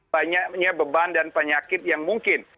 banyaknya beban dan penyakit yang mungkin